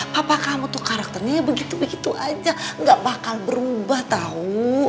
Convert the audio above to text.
papa kamu tuh karakternya ya begitu begitu aja gak bakal berubah tau